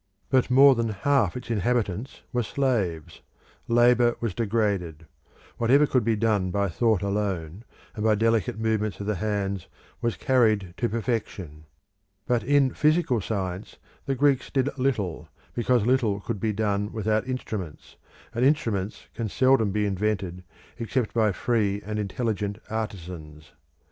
But more than half its inhabitants were slaves; labour was degraded; whatever could be done by thought alone, and by delicate movements of the hands, was carried to perfection; but in physical science the Greeks did little, because little could be done without instruments, and instruments can seldom be invented except by free and intelligent artisans.